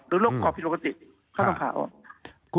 โรคกรอบผิดปกติเขาต้องผ่าออก